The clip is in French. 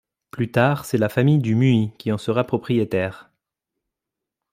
Plus tard c'est la famille du Muy qui en sera propriétaire.